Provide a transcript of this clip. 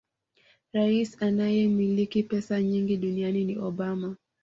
Rais anayemiliki pesa nyingi duniani ni Obama